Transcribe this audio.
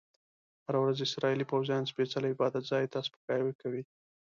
هره ورځ اسرایلي پوځیان سپیڅلي عبادت ځای ته سپکاوی کوي.